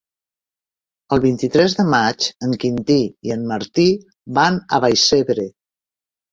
El vint-i-tres de maig en Quintí i en Martí van a Vallcebre.